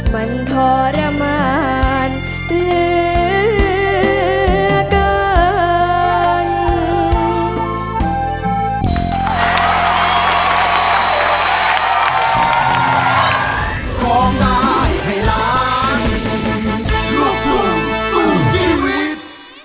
มันทรมานเหลือเกิน